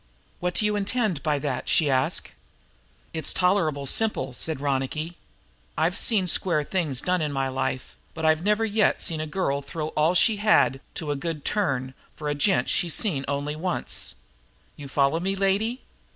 "What do you intend by that?" she asked. "It's tolerable simple," said Ronicky. "I've seen square things done in my life, but I've never yet seen a girl throw up all she had to do a good turn for a gent she's seen only once. You follow me, lady?